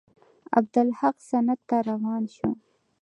عبدالحق سند ته روان شو.